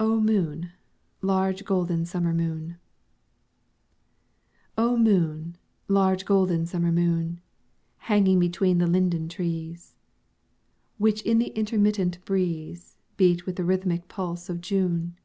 "O MOON, LARGE GOLDEN SUMMER MOON!" O MOON, large golden summer moon, Hanging between the linden trees, Which in the intermittent breeze Beat with the rhythmic pulse of June!